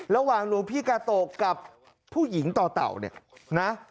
หลวงพี่กาโตกับผู้หญิงต่อเต่าเนี่ยนะ